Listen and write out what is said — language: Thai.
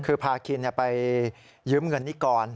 คือพาคินไปยืมเงินนิกร